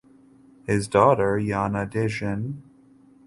His daughter Yana Djin.